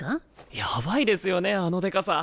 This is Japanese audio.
やばいですよねあのでかさ。